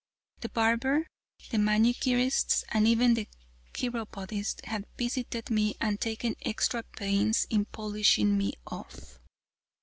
The barber, the manicurists, and even the chiropodist had visited me and taken extra pains in polishing me off.